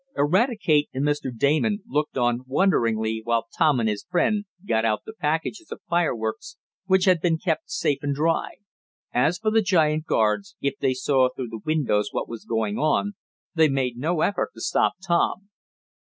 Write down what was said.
Eradicate and Mr. Damon looked on wonderingly while Tom and his chum got out the packages of fireworks which had been kept safe and dry. As for the giant guards, if they saw through the windows what was going on, they made no effort to stop Tom.